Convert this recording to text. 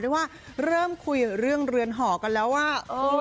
ได้ว่าเริ่มคุยเรื่องเรือนหอกันแล้วว่า